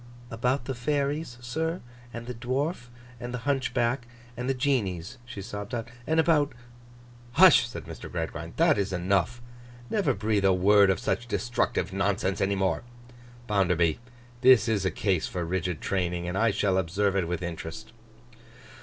'About the Fairies, sir, and the Dwarf, and the Hunchback, and the Genies,' she sobbed out; 'and about—' 'Hush!' said Mr. Gradgrind, 'that is enough. Never breathe a word of such destructive nonsense any more. Bounderby, this is a case for rigid training, and I shall observe it with interest.